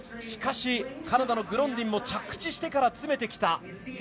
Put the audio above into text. しかしカナダのグロンディンも着地してから詰めてきた。